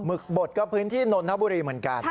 ึกบดก็พื้นที่นนทบุรีเหมือนกัน